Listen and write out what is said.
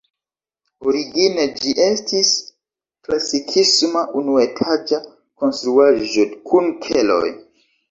Origine ĝi estis klasikisma unuetaĝa konstruaĵo kun keloj.